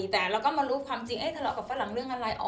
แต่เราก็มารู้ความจริงทะเลาะกับฝรั่งเรื่องอะไร